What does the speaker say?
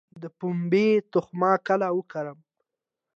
د پنبې تخم کله وکرم؟